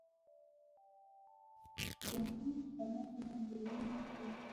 پنشن سپما پلان جوړونه کوي.